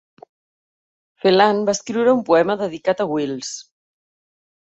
Phelan va escriure un poema dedicat a Wills.